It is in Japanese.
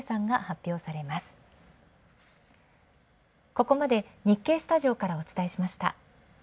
ここまで日経スタジオからお伝えしました。